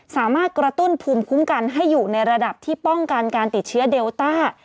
สามารถกระตุ้นภูมิคุ้มกันให้อยู่ในระดับที่ป้องกันการติดเชื้อเดลต้า